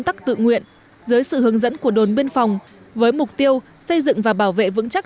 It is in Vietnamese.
tắc tự nguyện dưới sự hướng dẫn của đồn biên phòng với mục tiêu xây dựng và bảo vệ vững chắc